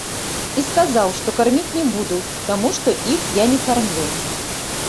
І сказаў, што карміць не буду, таму што іх я не кармлю.